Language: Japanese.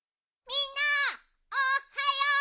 みんなおっはよう！